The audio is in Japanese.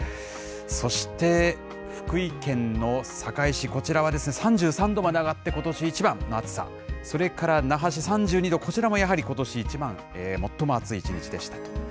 そして福井県の坂井市、こちらは３３度まで上がって、ことし一番の暑さ、それから那覇市３２度、こちらもやはりことし一番、最も暑い一日でしたと。